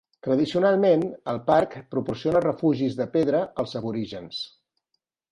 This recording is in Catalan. Tradicionalment, el parc proporciona refugis de pedra als aborígens.